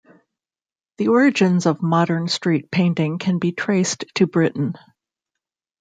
The origins of modern street painting can be traced to Britain.